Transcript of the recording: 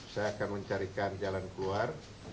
saya akan mencarikan jalan keluar